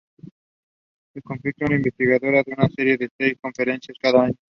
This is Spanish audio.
Se confía a un investigador para una serie de seis conferencias cada año.